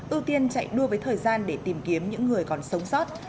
ưu tiên chạy đua với thời gian để tìm kiếm những người còn sống sót